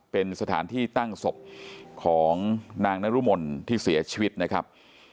เป็นสถานที่ตั้งศพของนางนรมนที่เสียชีวิตนะครับ